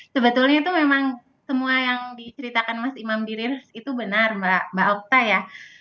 sebetulnya itu memang semua yang diceritakan mas imam birs itu benar mbak okta ya